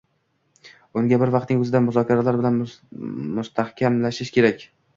unga bir vaqtning oʻzida muzokaralar bilan mustahkamlash kerak.